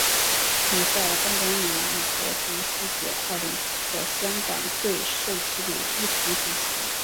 比赛颁奖礼与国际数学奥林匹克香港队授旗礼一同举行。